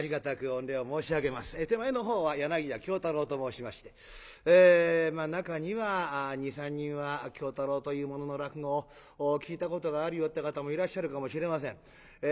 手前のほうは柳家喬太郎と申しまして中には２３人は喬太郎という者の落語を聴いたことがあるよって方もいらっしゃるかもしれません。